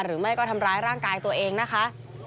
หรือไม่ก็ทำร้ายร่างกายตัวเองนะคะ